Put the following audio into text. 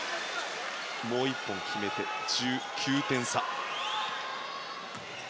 もう１本決めて、１９点差。